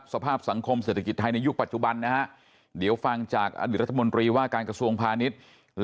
สภาพสังคมเศรษฐกิจไทยในยุคปัจจุบันให้คุณผู้ชม